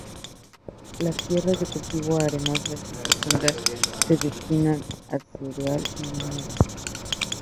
Las tierras de cultivo, arenosas y profundas, se destinan a cereal y viñedo.